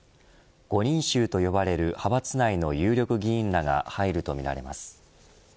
５人衆と呼ばれる派閥内の有力議員らが入るとみられます。